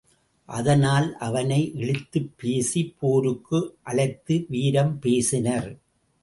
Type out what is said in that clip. அதனால் அவனை இழித்துப் பேசிப் போருக்கு அழைத்து வீரம் பேசினர்.